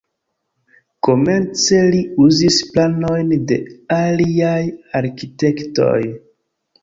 Komence li uzis planojn de aliaj arkitektoj.